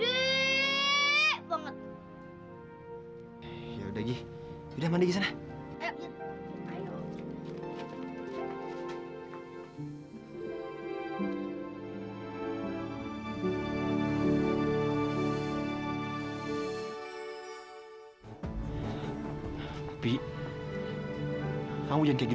iya kak kalam renangnya gedeeeek banget